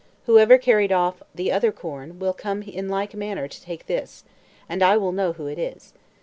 Whoever carried off the other corn will come in like manner to take this, and I will know who it is."